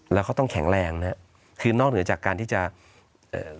แล้วเขาต้องแข็งแรงนะฮะคือนอกเหนือจากการที่จะเอ่อ